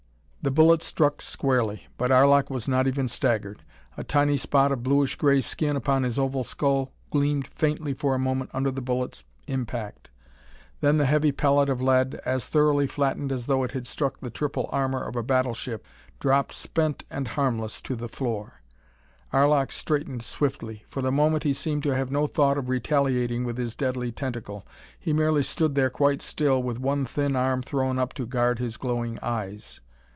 The bullet struck squarely, but Arlok was not even staggered. A tiny spot of bluish gray skin upon his oval skull gleamed faintly for a moment under the bullet's impact. Then the heavy pellet of lead, as thoroughly flattened as though it had struck the triple armor of a battleship, dropped spent and harmless to the floor. Arlok straightened swiftly. For the moment he seemed to have no thought of retaliating with his deadly tentacle. He merely stood there quite still with one thin arm thrown up to guard his glowing eyes.